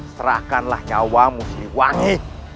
serahkanlah jawabmu si wangi